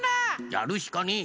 やるしかねえ！